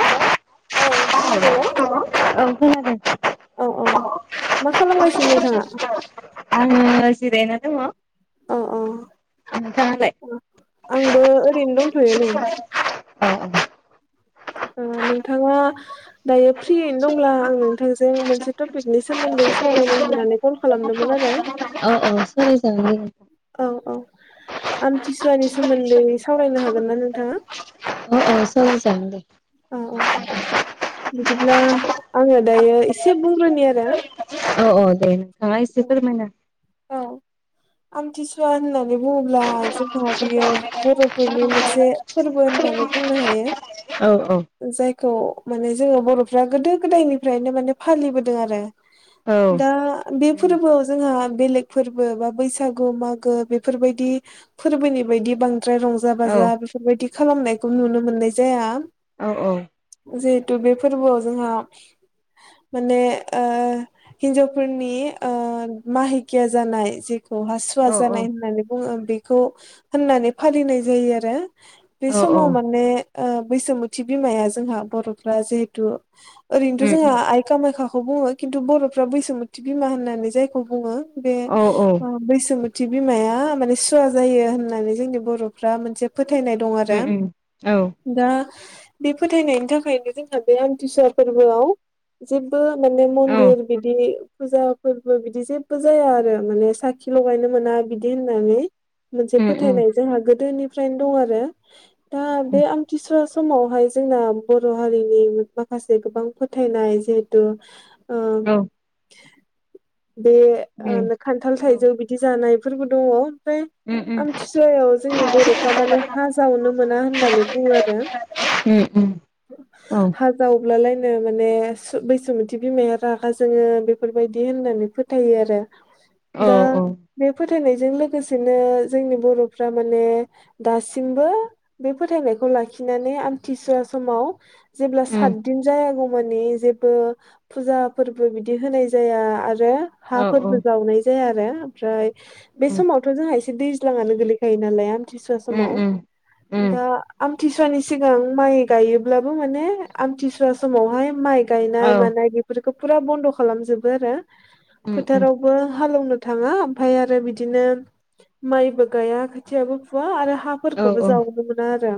Hello औ खोनादों ना औ खोनादों औ औ मा खालामगासिनो नोंथाङा? आङो जिरायना दङ। उम नोंथाङालाय उम आंबो ओरैनो दंथ'यो नै [inaudible] अह [unintelligible] ओ नोंथाङा दायो फ्रियैनो दंब्ला आं नोंथांजों मोनसे टपिक नोंनि सोमोन्दै सावरायनो होननानै कल खालामदोंमोन औ आरो औ सावरायजागोन दे औ औ आमथिसुवानि सोमोन्दै सावरायनो हागोन ना नोंथाङा अह अह सावराय जागोन दे औ औ बिदिब्ला आङो दायो एसे बुंग्रोनि आरो औ औ दे नोंथाङा एसे फोरमायना औ आमथिसुवा होन्नानै बुङोब्ला जोहा बियो बर'फोरनि मोनसे फोरबो होननानै बुंनो हायो औ औ जायखौ माने जोङो बर'फ्रा गोदो गोदायनिफ्रायनो माने फालिबोदों आरो औ दा उम बे फोरबोआव जोंहा बेलेग फोरबो बा बैसागु मागो बेफोरबायदि फोरबोनि बायदि बांसि बांद्राय रंजा औ बाजा बेफोरबायदि खालामनायखौ नुनो मोननाय जाया औ औ जिहेथु बे फोरबोआव जोंहा माने ओ हिन्जावफोरनि माहिकिया जानाय जिख बहा सुवा औ औ जानाय होननानै बुङो बेखौ होननानै फालिनाय जायो आरो बे औ समाव माने ओ बैसोमुथि बिमाया जोंहा बर'फ्रा जिहेथु ओरैनोथ' उम जोंहा आइ कामायख्याखौ बुङो खिन्थु बर'फ्रा बैसोमुथि बिमा होननानै जायखौ बुङो बे औ औ बैसोमुथि थि बिमाया माने सुवा जायो होननानै जोंनि बर'फ्रा मोनसे फोथायनाय दं उम आरो उम औ दा बे फोथायनायनि थाखायनो जोंहा बे आमथिसुवा फोरबोआव जेबो माने औ मन्दिर बिदि फुजा फोरबो बिदि जेबो जाया आरो माने साखि लगायनो मोना बिदि होननानै मोनसे उम उम फोथायनाय जोंहा गोदोनिफ्रायनो दं आरो दा बे आमथिसुवा समावहाय जोंना बर' हारिनि माखासे गोबां फोथायनाय जिहेथु ओ औ बे उम औ ओ खान्थाल थाइजौ बिदि जानायफोरबो दङ ओमफ्राय उम उम आमथिसुवायाव जोंनि बर'फ्रा माने हा जावनो मोना होननानै बुङो आरो उम उम औ हाजाव ब्लालायनो माने बैसोमुथि बिमाया रागा जोङो बेफोरबायदि होननानै फोथायो आरो औ दा उम बे फो थायनायजों लोगोसेनो जोंनि बर'फ्रा माने दासिमबो बे फोथायनायखौ लाखिनानै आमथिसुवा समाव जेब्ला साथदिन जायागौ मानि जेबो फुजा फोरबो बिदि होनाय जाया आरो ओमफ्राय औ हाफोरबो जावनाय जाया आरो ओमफ्राय बे समावथ' जोंहा एसे दैज्लाङानो गोलैखायो नालाय आमथिसुवा उम समाव उम उम दा आ मथिसुवानि सिगां माइ गायोब्लाबो माने आमथिसुवा समावहाय माइ गायनाय औ मानाय बेफोरखौ फुरा बन्द' खालामजोबो आरो उम उम फोथारावबो हालेवनो थाङा ओमफ्राय आरो बिदिनो माइबो गाया खोथियाबो फुवा आरो औ हाफोरखौबो औ जावनो मोना आरो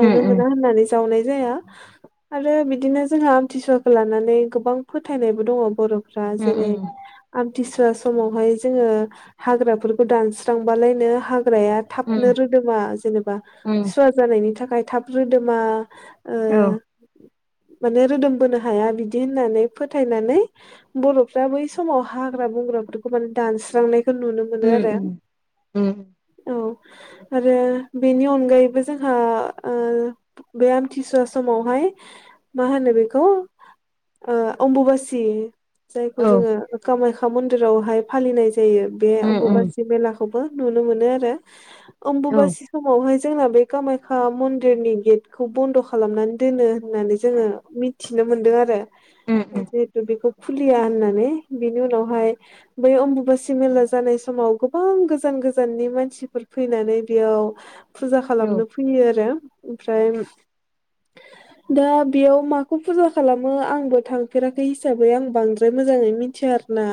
औ मोना होननानै जावनाय जाया आरो बिदिनो जोंहा आमथिसुवाखौ लानानै गोबां फोथायनायबो दङ बर' फ्रा जेरै आमथि सुवा समावहाय जोङो हाग्राफोरखौ दानस्रांबालायनो हाग्राया थाबनो रोदोमा जेनेबा सुवा जानायनि थाखाय थाब रोदोमा ओ माने रोदोमबोनो हाया बिदि होननानै फोथायनानै बर'फ्रा बै समाव हाग्रा बंग्राफोरखौ माने दानस्रांनायखौ नुनो मोनो आरो औ आरो बेनि अनगायैबो जोंहा ओ बे आमथिसुवा समावहाय मा होनो बेखौ आ अमबुबासि जायखौ जोङो कामाख्या मन्दिरावहाय फालिनाय जायो बे अम्बुबासि मेला खौबो नुनो मोनो आरो मबुबासि समावहाय जोंना बे कामाख्या मन दिरनि गेटखौ बन्द' खालामनानै दोनो होननानै जोङो मिथिनो मोनदों आरो जिहेतु बिखौ खुलिया होननानै बिनि उनावहाय बै अम्बुबासि मेला जानाय समाव गोबां गोजान गोजाननि मानसिफोर फैनानै बेयाव फुजा खालामनो फैयो आरो ओमफ्राय दा बेयाव माखौ फुजा खालामो आंबो थांफेराखै हिसाबै आं बांद्राय मोजाङै मिथिया आरो ना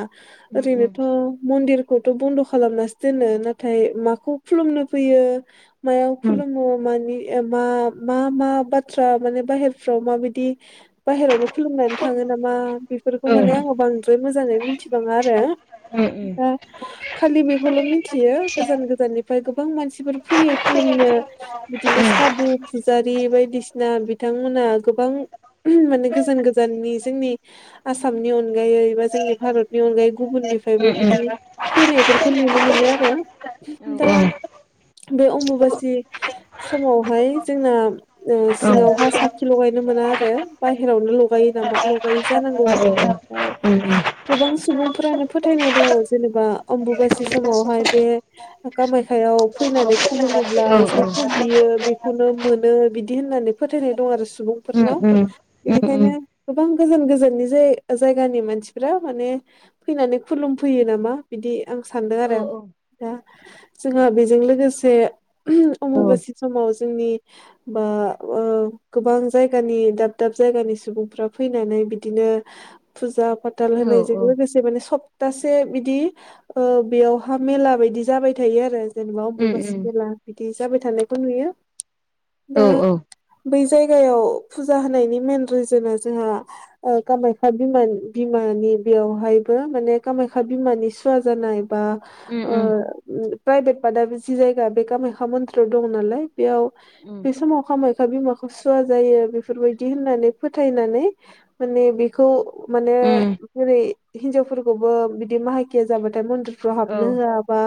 ओरैनोथ' मन्दिर खौथ' बन्द' खालामनासो दोनो नाथाय माखौ खुलुमनो फैयो मायाव खुलुमो मानि मा मा मा बाथ्रा माने बाहेरफ्राव माबायदि बाहेरावनो खुलुमनानै थाङो नामा बेफोरखौ माने आङो बांद्राय मोजाङै मिथिबाङा आरो दा खालि बेखौल' मिथियो गोजान गोजाननिफ्राय गोबां मानसिफोर फैयो खुलुमनो बिदिनो सादु फुजारि बायदिसिना बिथांमोना गोबां माने गोजान गोजाननि जोंनि आसामनि अनगायै बा जोंनि भारतनि अनगायै गुबुननिफ्रायबो बिदि फैनायफोरखौ नुनो मोनो आरो दा बे अम्बुबासि समावहाय जोंना सिङावहााय साखि लगाय नो मोना आरो बायेरावनो लगायो नामा लगायो जानांगौ आरो गोबां सम सुबुंफोरानो फोथायनाय दङ जेनेबा अम्बुबासि समावहाय बे कामाख्याव फै होननानै खुलुमोब्ला जेखौ बियो बेखौनो मोनो बिदि होननानै फोथायनाय दं आरो सुबुं उम उम बेनिखायनो गोबां गोजान गोजाननि जाय जायगानि मानसिफ्रा माने फैनानै खुलुम फैयो नामा बिदि आं सानदों आरो दा जोंहा बेजों लोगोसे अमबुबासि समाव जोंनि बा ओ गोबां जायगानि दाब दाब जायगानि सुबुंफ्रा फैनानै बिदिनो फुजा फाथाल होनायजों लोगोसे माने सप्तासे बिदि ओ बेयावहा मेला बायदि जाबाय थायो आरो जेनेबा अमबुबासि मेला बिदि जाबाय थानाय खौ नुयो औ औ बै जायगायाव फुजा होनायनि मेन रिजोना जोंहा कामाख्या बिमान बिमानि बेयावहायबो माने कामाख्या बिमानि सुवा जानाय बा उम ओ उम प्राइभेट फाद जि जायगा बे कामायखा मन्दिराव दं नालाय बेयाव उम बे समाव खामाखया बिमाखौ सुवा जायो बेफोरबायदि होननानै फोथाय बोनानै माने बेखौ माने उम बोरै हिनजावफोरखौबो बिदि बाहाय जाबाथाय मन्दिरफ्राव औ हाबनो होआ बा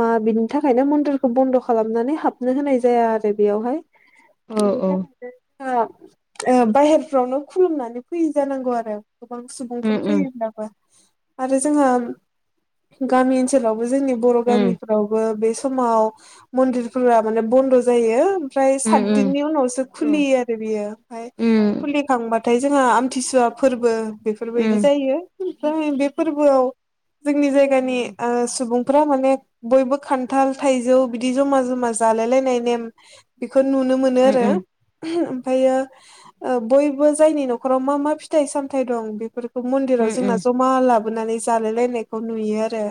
मा बिनि थाखायनो मन्दिरखौ बन्द' खालामनानै हाब नो होनाय जाया आरो बेयावहाय बिनि औ थाखायनो ओ बाहेरफ्रावनो खुलुमनानै फैयो जानांगौ आरो गोबां उम सुबुंफोर उम फैयोब्लाबो आरो जोंहा गामि ओनसोलाव जोंनि बर' उम गामिफ्राव बे समाव मन्दिर फोराबो बन्द' जायो ओमफ्राय उम उम सातदिननि उनावसो उम खुलियो आरो बियो ओमफाय उम खुलि फैखांबाथाय जोंहा आमथिसुवा फोरबो उम बेफोरबायदि उम जायो ओमफ्राय बे फोरबोआव जोंनि जायगानि ओ सुबुं फोरा माने बयबो खान्थाल थाइजौ बिदि जमा जमा जालाय लायनाय नेम बेफोर बेखौ नुनो मोनो आरो ओम ओमफ्रायो ओ बयबो जायनि न'खराव मा मा फिथाइ सामथाइ दं बेफोर खौ मन्दिराव जोंना उम जमा लाबोनानै जालाय लायनायखौ नुयो आरो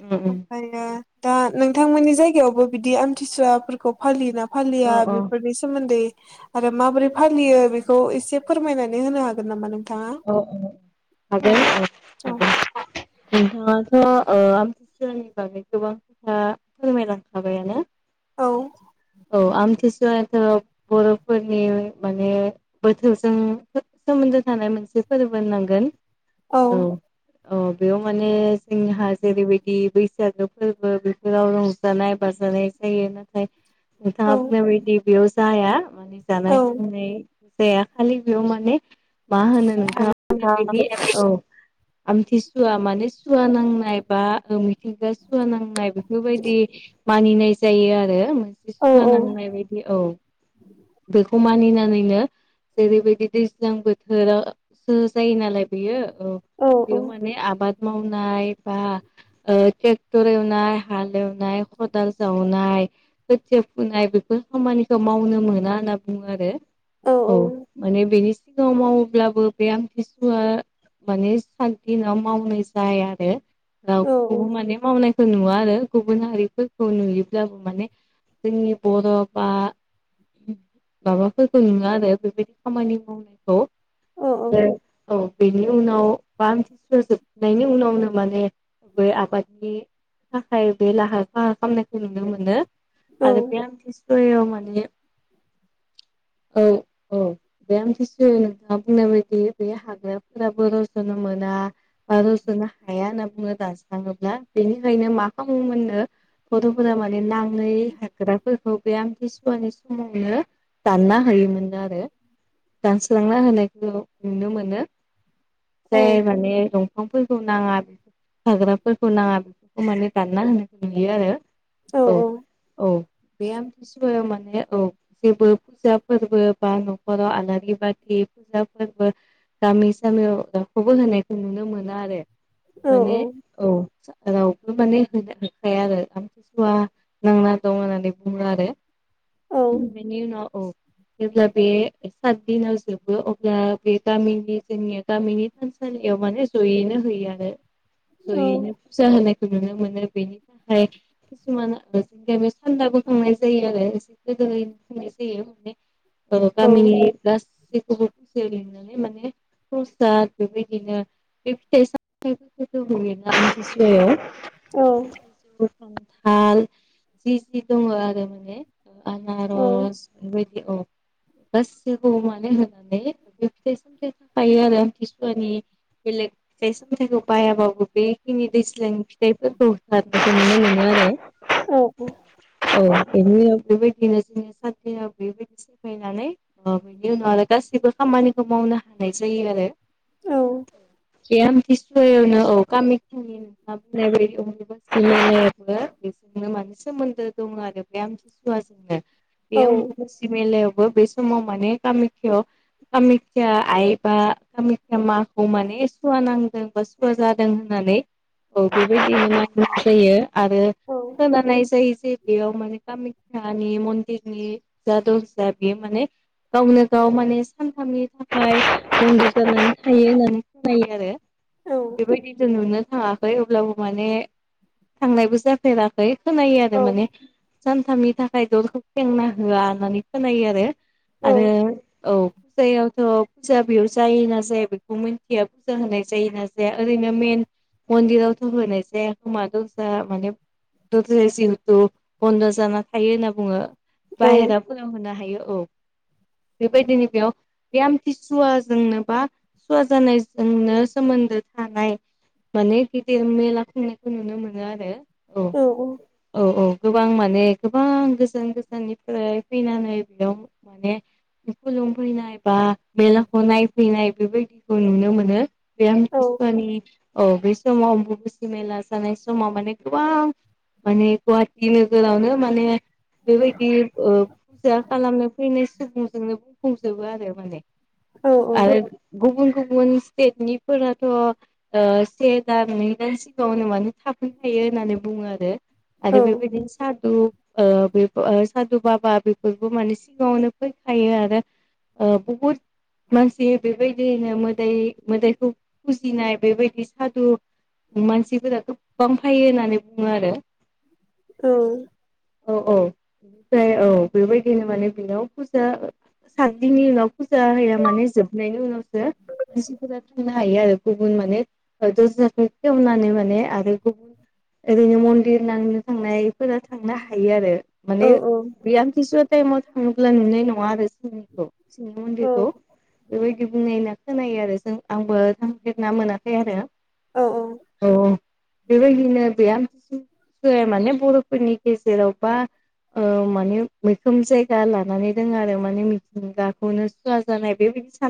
उम उम ओमफ्रायो दा नोंथांमोननि जायगायावबो बिदि आमथिसुवाफोरखौ फालियोना फालिया औ औ बेफोरनि सोमोन्दै आरो माबोरै फालियो बेखौ एसे फोरमायनानै होनो हागोन नामा नों अ औ हागोन औ औ नोंथाङाथ' ओ आमथिसुवानि बागै गोबां खोथा फोरमायलांखाबायानो औ औ आमथि- सुवायाथ' बर'फोरनि माने बोथोरजों सोमोन्दो थानाय मोनसे फोरबो होननांगोन। औ अ बेयाव माने जोंहा जेरैबायदि बैसागो फोरबो बेफोराव रंजानाय बा नाय जायो नाथाय औ नोंथाङा बुंनाय बायदि बेयाव जाया माने औ जानाय लोंनाय जाया खालि बेयाव माने मा होनो नोंथाङा बुंनाय बादि औ आमथिसुवा माने सुवा नांनाय बा मिथिंगाया सुवा नांनाय बेफोरबायदि मानिनाय जायो आरो मोनसे औ सुवा नांनाय बायदि औ बेखौ मानिनानैनो जेरैबायदि दैज्लां बोथोराव सो जायो नालाय बेयो औ बेयाव माने आबाद मावनाय बा ओ ट्रेक्टर एवनाय हाल एवनाय खदाल जावनाय खोथिया फुनाय बेफोर खामानिखौ मावनो मोना होनना बुङो आरो। औ माने बेनि सिगाङाव मावोब्लाबो बे आमथिसुवा माने साट दिनाव मावनाय जाया आरो रावखौबो माने मावनाय नुवा आरो गुबुन हारिफोरखौ नुयोब्लाबो माने जोंनि बर' बा माबाफोरखौ नुङा आरो बेबायदि खामानि मावनायखौ औ ओ औ बेनि उनाव बा आमथिसुवाजोबनायनि उनावनो माने बे आबादनि थाखाय बे लाहार फाहार खालामनायखौ नुनो मोनो आरो बे आमथि सुवा याव माने औ औ बे आथसुवाया नोंथाङा बुंनाय बाय दि बे हाग्राफोराबो रज'नो मोना बा रज'नो हाया होनना बुङो दानास्ला ब्ला बेनिखायनो मा खालामो मोननो गथ'फोरा माने नाङै हाग्राफोरखौ गैयाम बे आमथिसुवानि समावनो दानना हायोमोन आरो दानसोलांना होनायखौ नुनो मोनो जाय माने बिफांफोरखौ नाङा थाग्राफोरखौ नाङा बेफोरखौ माने दानना होनाय नुयो आरो औ औ बे आमथि सुवायाव माने औ जेबो फुजा फोरबो बा न'खराव आलारि बाथि फुजा फोरबो गामि सामियाव रावखौबो होनायखौ नुनो मोना आरो माने औ रावबो माने होनो हाखाया आरो आमथिसुवा नांना दं होननानै बुंडो आरो बेनि उनाव औ जेब्ला बे साट दिनाव जोबो अ ब्ला बे गामिनि जोंनिया गामिनि थानसालियाव माने जयैनो होयो आरो जयैनो फुजा होनाय नुनो मोनो बेनि थाखाय किसुमान जोंनि गामियाव सान्दा बोखांनाय जायो आरो गोनाय जायो गामिनि गासैखौबो फस लिंनानै माने प्रसाद बेबायदिनो बे फिथाइ सामथथायफोरखौ होयो आमथिसुवायाव औ खानथाल जि जि दङ आरो माने आनारस बेबाय औ गासैखौ माने होनानै फिथाय सामथाय जायो आरो आमथिसुवानि बेलेग फिथाइ सामथाइखौ बायाबाबो बेखिनि दैस्लां फिथाइफोरखौ बायनायखौ नुनो मोनो आरो औ औ औ बेनि उ बेबायदिनो जोङो सानयाव बेबायदि सिफायनानै बेनि उनाव आरो गासिबो खामानिखौ मावनो हानाय जायो आरो औ बे आमथिसुवायावनो औ गामि खनि नुना बुंनाय बे जोंनो माने सोमोन्दो दं आरो बे आमथिु सुवा जोंनो बे अमबबासि मेलायावबो बे समाव माने कामेखायाव कामिखिया आइ बा कामिखिया माखौ माने सुवा नांदों बा सुवा जादों होननानै औ बेबायदिनो ननायनाय जायो आरो खोनानाय जायो जे बेयाव माने कामिख्याानि मन्दिरनि जा दं जा बेयो माने गावनो गाव माने सानथामनि थाखाय बन्द' जानानै थायो होननानै खोनायो आरो बेबायदि जों नुनो थाङाखै अब्लाबो माने थांनायबो जाफेराखै खोनायो आरो माने सानथामनि थाखाय दलखौ सेंना होआ होननानै खोनायो आरो आरो औ फुजायावथ' फुजा बेयाव जायो ना जाया बेखौ मिथिया फुजा होनाय जायो ना जाया ओरैनो मेन मन्दिरावथ' होनाय जाया साया होमा दंसा माने जिहेथु बन्द' जाना थायो होनना बुङो औ बाहेरा फोरावहो हायो औ बेबायदिनो बेयाव बे आमथिसुवाजोंनो बा सुवा जानायजोंनो सोमोन्दो थानाय माने गिदिर मेला खुंनायखौ नुनो मोनो आरो औ औ औ औ गोबां माने गोबां गोजान गोजाननिफ्राय फैनानै बेयाव माने खुलुमफैनाय बा बेलाखौ नायफैनाय बेबायदिखौ नुनो मोनो बे औ आमथि सुवानि औ बे समावम मुुसि मेला जानाय समाव माने गोबां माने गुवाहाटि नोगोरावनो माने बेबायदि ओ फुजा खालामनो फैनाय सुबुंजोंनो बुंफुंजोबो आरो माने औ आरो गुबुन गुबुन गुबुन स्टेटनि फोराथ'ओ से दान नै दान सिगाङावनो मानो थाफैखायो होननानै बुङो आरो औ आरो बेबायदिनो सा दु बे सादु बाबा बेफोरबो माने सिगाङावनो फैखायो आरो आ बहुद मानसि बेबायदिनो मोदाय मोदायखौ फुजिनाय बेबायदि सादु मानसिफोराथ' गोबां फायो होननानै बुङो आरो औ औ औ ओमफ्राय औ बेबायदिनो माने बेनाव फुजा साननैनि उनाव फुजा होया माने जोबनायनि उनावसो मानसिफोरा थां यो आरो गुबुन माने दरजाखौ खेवनानै माने आरो गुबुन ओरैनो मन्दिर नायनो थांनायफोरा थांनो हायो आरो औ माने बि आमथिसुवा टाइमाव थांङोब्ला नुनाय नङा आरो खौ सिंनि औ मनदिरखौ बे बुंनायना खोनायो आरो जों आंबो थांफेरना मोनाखै आरो औ औ बेबायदिनो बे आमथिसुवा फोरबोया माने बर'फोरनि गेजेरावबा माने मैखोम जायगा लानानै दङ आरो माने मिथिंगाखौनो सुवा जानाय बेबायदि सान